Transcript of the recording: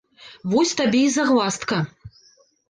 Вось табе і загваздка!